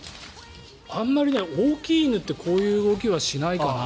あまり大きい犬ってこういう動きはしないかな。